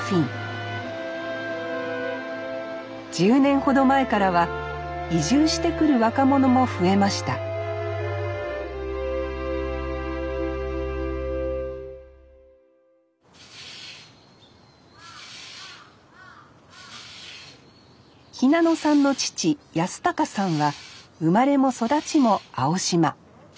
１０年ほど前からは移住してくる若者も増えました日向野さんの父安隆さんは生まれも育ちも青島。